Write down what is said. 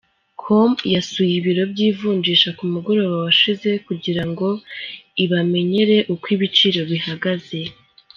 com yasuye ibiro by'ivunjisha ku mugoroba washize kugira ngo ibamenyere uko ibiciro bihagaze.